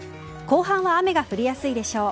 後半は雨が降りやすいでしょう。